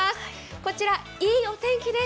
こちら、いいお天気です。